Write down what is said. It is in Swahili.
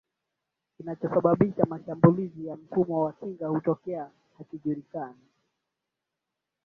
kinachosababisha mashambulizi ya mfumo wa kinga kutokea hakijulikani